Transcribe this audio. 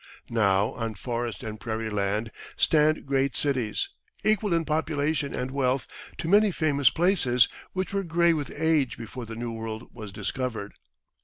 Now on forest and prairie land stand great cities, equal in population and wealth to many famous places, which were grey with age before the New World was discovered.